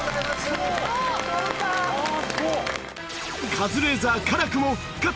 カズレーザー辛くも復活！